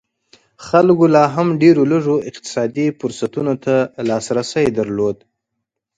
خلکو لا هم ډېرو لږو اقتصادي فرصتونو ته لاسرسی درلود.